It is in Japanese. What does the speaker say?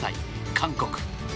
韓国。